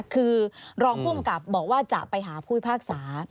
คือรองภูมิกับบอกว่าจะไปหาผู้พิพากษา